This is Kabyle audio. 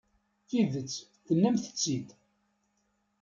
Tidet, tennamt-tt-id.